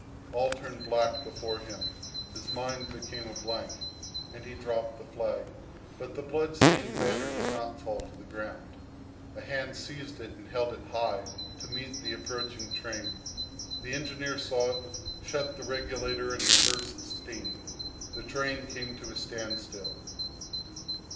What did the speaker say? All turned black before him, his mind became a blank, and he dropped the flag; but the blood stained banner did not fall to the ground. A hand seized it and held it high to meet the approaching train. The engineer saw it, shut the regulator, and reversed steam. The train came to a standstill.